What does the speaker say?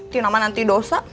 tidak mau nanti dosa